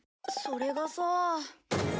それがさ。